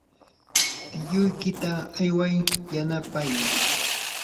tiyuykita ayway yanapay.